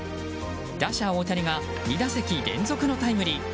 打者・大谷が２打席連続のタイムリー。